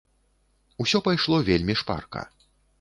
Усё пайшло вельмі шпарка.